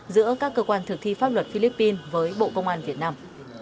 giữa các cơ quan thực thi pháp luật philippines với bộ công an việt nam